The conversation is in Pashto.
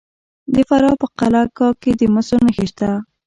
د فراه په قلعه کاه کې د مسو نښې شته.